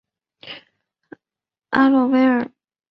阿洛维尔。